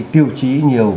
tiêu chí nhiều